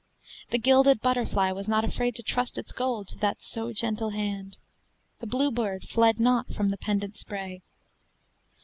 The gilded butterfly was not afraid To trust its gold to that so gentle hand, The bluebird fled not from the pendent spray.